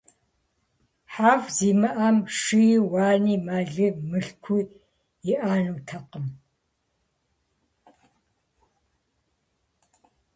ХьэфӀ зимыӀэм шыи, уани, мэли, мылъкуи иӀэнутэкъым.